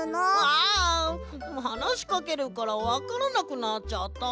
あはなしかけるからわからなくなっちゃった。